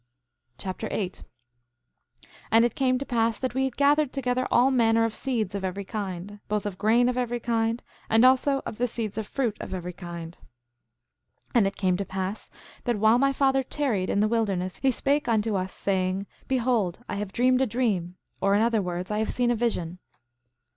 1 Nephi Chapter 8 8:1 And it came to pass that we had gathered together all manner of seeds of every kind, both of grain of every kind, and also of the seeds of fruit of every kind. 8:2 And it came to pass that while my father tarried in the wilderness he spake unto us, saying: Behold, I have dreamed a dream; or, in other words, I have seen a vision.